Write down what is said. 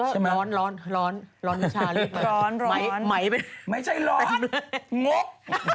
ก็ร้อนร้อนร้อนร้อนวิชาลีฟมั้งไหมไหมไม่ใช่ร้อนงบ